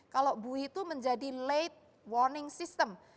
kalau bui itu menjadi late warning system